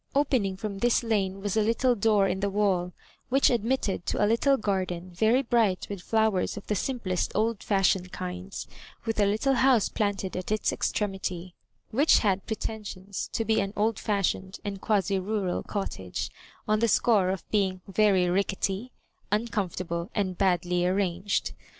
Opening from this lane was a little door in the wall, which admit ted to a little garden very bright with flowers of the simplest old fashioned kinds, with a little house planted ac its extremity, which had pre tensions to be an old fashioned and quasi rural cottage, on the score of being very rickety, un comfortable, and badly arranged.